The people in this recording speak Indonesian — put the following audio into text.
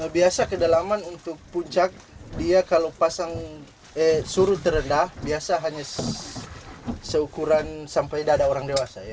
biasa kedalaman untuk puncak dia kalau pasang eh surut terendah biasa hanya seukuran sampai dada orang dewasa ya